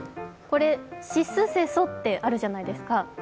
これ、しすせそってあるじゃないですか。